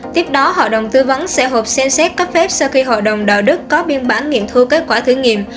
tiếp đó hội đồng tư vấn sẽ hợp xem xét cấp phép sau khi hội đồng đạo đức có biên bản nghiệm thu kết quả thử nghiệm